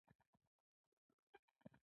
موږ یو نیم پسه ساتلی وي.